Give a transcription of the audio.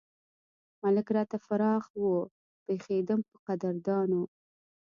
ملک راته فراخ وو پېښېدم پۀ قدردانو